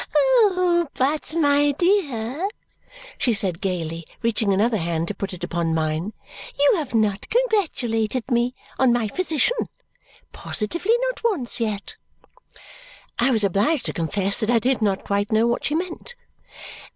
"But, my dear," she said, gaily, reaching another hand to put it upon mine. "You have not congratulated me on my physician. Positively not once, yet!" I was obliged to confess that I did not quite know what she meant.